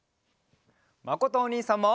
まことおにいさんも！